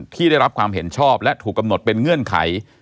ที่ได้รับความเห็นชอบและถูกกำหนดเป็นเงื่อนไข